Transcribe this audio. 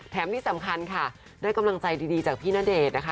ที่สำคัญค่ะได้กำลังใจดีจากพี่ณเดชน์นะคะ